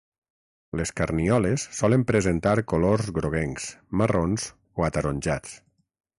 Les carnioles solen presentar colors groguencs, marrons o ataronjats.